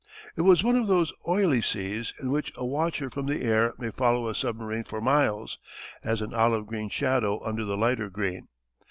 It was one of those oily seas in which a watcher from the air may follow a submarine for miles, as an olive green shadow under the lighter green.